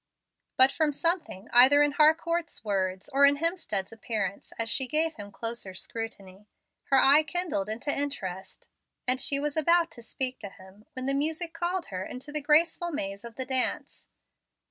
But from something either in Harcourt's words, or in Hemstead's appearance as she gave him closer scrutiny, her eye kindled into interest, and she was about to speak to him, when the music called her into the graceful maze of the dance.